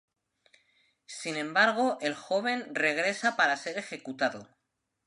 Sin embargo el joven regresa para ser ejecutado.